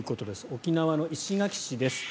沖縄の石垣市です。